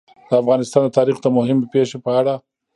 د افغانستان د تاریخ د مهمې پېښې په اړه.